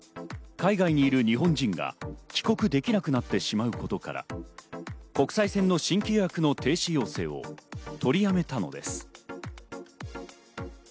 海外にいる日本人が帰国できなくなってしまうことから、国際線の新規予約の停止要請を取りやめたのです。